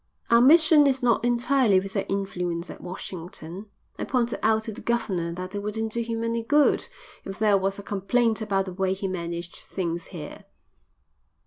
"Our mission is not entirely without influence at Washington. I pointed out to the governor that it wouldn't do him any good if there was a complaint about the way he managed things here."